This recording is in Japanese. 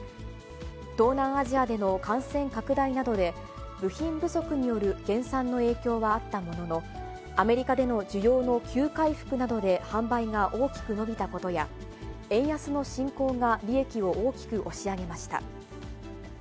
東南アジアでの感染拡大などで、部品不足による減産の影響はあったものの、アメリカでの需要の急回復などで販売が大きく伸びたことや、円安の進行が利益を大きく押し上げました。